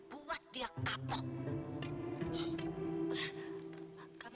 sudah diusir dari panggilan